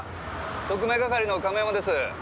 特命係の亀山です。